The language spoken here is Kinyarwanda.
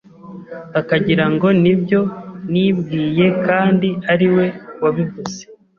akagirango ni ibyo nibwiye kandi ari we wabivuze,